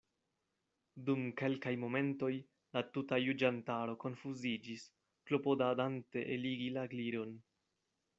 Dum kelkaj momentoj la tuta juĝantaro konfuziĝis, klopodadante eligi la Gliron.